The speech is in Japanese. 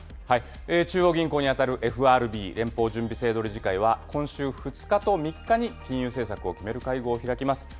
中央銀行に当たるＦＲＢ・連邦準備制度理事会は、今週２日と３日に金融政策を決める会合を開きます。